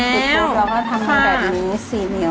เราก็ทำอย่างแบบนี้๔เนี๊ยว